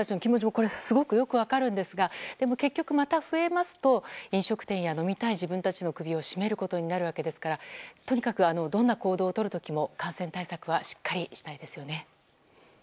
これもすごくよく分かるんですがでも結局、また増えますと飲食店や飲みたい自分たちの首を絞めることになるわけですからとにかくどんな行動をとるときも感染対策はしっかりしたいですよね。